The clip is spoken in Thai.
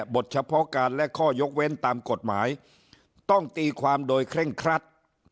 บทเฉพาะการและข้อยกเว้นตามกฎหมายต้องตีความโดยเคร่งครัด